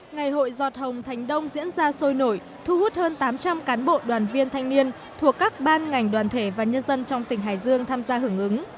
ngày hội giọt hồng thành đông diễn ra sôi nổi thu hút hơn tám trăm linh cán bộ đoàn viên thanh niên thuộc các ban ngành đoàn thể và nhân dân trong tỉnh hải dương tham gia hưởng ứng